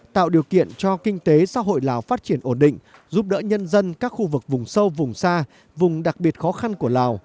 tạo điều kiện cho kinh tế xã hội lào phát triển ổn định giúp đỡ nhân dân các khu vực vùng sâu vùng xa vùng đặc biệt khó khăn của lào